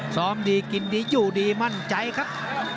ซ้อมดีกินดีอยู่ดีมั่นใจครับ